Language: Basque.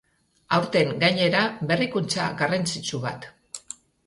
Aurten, gainera, berrikuntza garrantzitsu bat.